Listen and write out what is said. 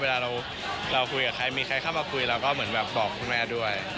เวลาเราคุยกับใครมีใครเข้ามาคุยเราก็เหมือนแบบบอกคุณแม่ด้วย